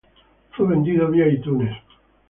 Fue vendido vía iTunes.